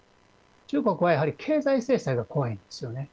中国は、やはり経済制裁が怖いんですよね。